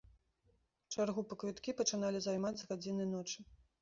Чаргу па квіткі пачыналі займаць з гадзіны ночы.